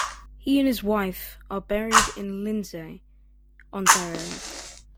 He and his wife are buried in Lindsay, Ontario.